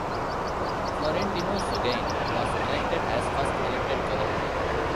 Florentino Saguin was elected as first elected governor.